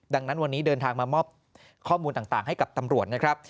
ดังนั้นวันนี้เดินทางมามอบข้อมูลต่างให้กับตำรวจนะครับ